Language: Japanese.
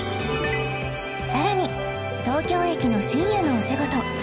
さらに東京駅の深夜のお仕事